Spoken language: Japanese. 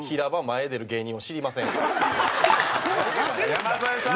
山添さん。